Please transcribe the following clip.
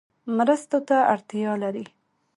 مرستو ته اړتیا لري